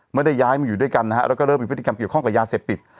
ไม่ได้ย้ายมาอยู่ด้วยกันนะฮะแล้วก็เริ่มมีพฤติกรรมเกี่ยวข้องกับยาเสพติด